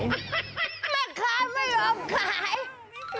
แม่ค้าไม่ยอมขาย